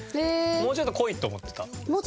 もうちょっと濃いと思ってた？